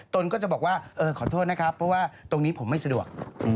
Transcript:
ตนก็จะบอกว่าเออขอโทษนะครับเพราะว่าตรงนี้ผมไม่สะดวก